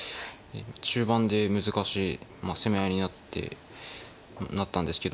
中盤で難しい攻め合いになったんですけど。